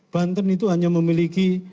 banten itu hanya memiliki